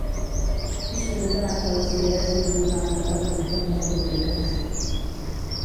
I solem debatre les idees entre nosaltres abans de fer-les públiques.